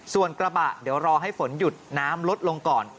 ส่วนกระบะเดี๋ยวรอให้ฝนหยุดน้ำลดลงก่อน